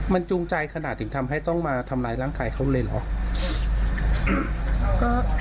มันจูงใจขนาดถึงทำให้ต้องมาทำร้ายร่างกายเขาเลยเหรอ